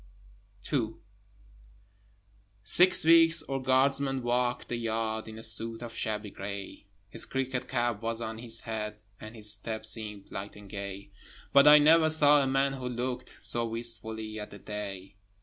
II Six weeks our guardsman walked the yard, In a suit of shabby grey: His cricket cap was on his head, And his step seemed light and gay, But I never saw a man who looked So wistfully at the day.